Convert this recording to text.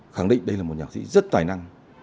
khẳng định đây là một nhạc sĩ rất tài năng